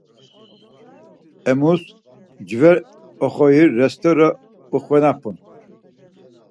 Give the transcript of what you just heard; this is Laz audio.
Emus mcve oxori restore uxvenapun.